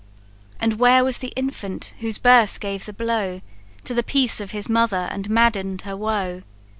And where was the infant whose birth gave the blow To the peace of his mother, and madden'd her woe?